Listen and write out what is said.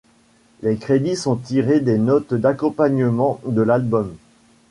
Les crédits sont tirés des notes d'accompagnement de l'album.